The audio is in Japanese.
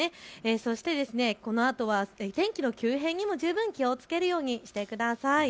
そして、このあとは天気の急変にも十分気をつけるようにしてください。